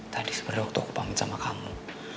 tadi sebenarnya waktu aku pamit sama kamu